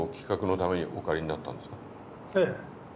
ええ。